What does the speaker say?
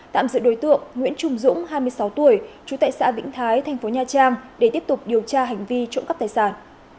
tạm giữ đối tượng nguyễn trung dũng hai mươi sáu tuổi trú tại xã vĩnh thái thành phố nha trang để tiếp tục điều tra hành vi trộm cắp tài sản